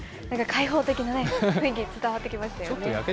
開放的な雰囲気、伝わってきましたよね。